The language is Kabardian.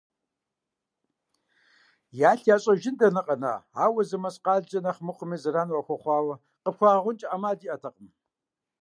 Ялъ ящӀэжыфын дэнэ къэна, ауэ зы мэскъалкӀэ нэхъ мыхъуми зэран уахуэхъуауэ къыпхуагъэгъункӀэ Ӏэмал иӀэтэкъым.